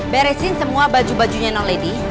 beresin semua baju bajunya non lady